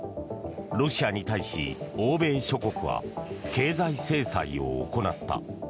ロシアに対し、欧米諸国は経済制裁を行った。